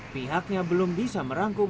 pihaknya belum bisa merangkum